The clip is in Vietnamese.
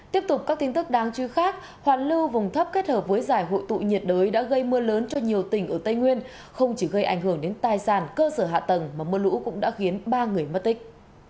tiếp tục các tin tức đáng chú ý khác hoàn lưu vùng thấp kết hợp với giải hội tụ nhiệt đới đã gây mưa lớn cho nhiều tỉnh ở tây nguyên không chỉ gây ảnh hưởng đến tài sản cơ sở hạ tầng mà mưa lũ cũng đã khiến ba người mất tích